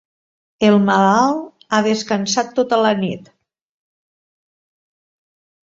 El malalt ha descansat tota la nit.